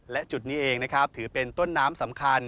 และจุดนี้เองนะครับถือเป็นต้นน้ำสำคัญ